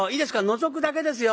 のぞくだけですよ。